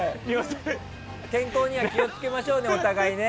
健康には気をつけましょうねお互いね。